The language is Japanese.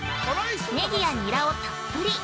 ネギやニラをたっぷり。